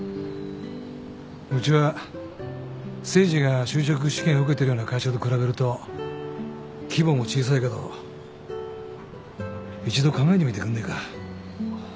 うちは誠治が就職試験受けてるような会社と比べると規模も小さいけど一度考えてみてくんねえか。